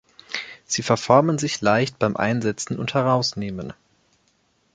Sie verformen sich leicht beim Einsetzen und Herausnehmen.